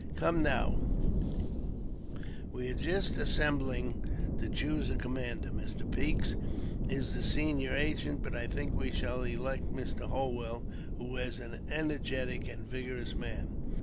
"Come, now, we are just assembling to choose a commander. Mr. Peeks is the senior agent; but I think we shall elect Mr. Holwell, who is an energetic and vigorous man."